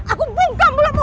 aku buka mulutmu